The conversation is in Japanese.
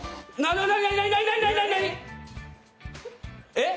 えっ！？